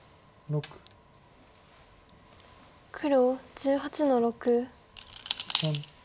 黒１８の六。